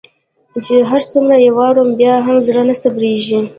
چي هر څومره يي واورم بيا هم زړه نه صبریږي